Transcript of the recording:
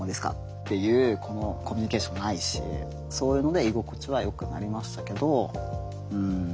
っていうこのコミュニケーションもないしそういうので居心地はよくなりましたけど。